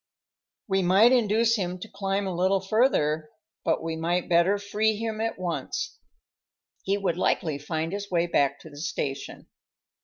We might induce him to climb a little further, but we might better free him at once; he would likely find his way back to the station.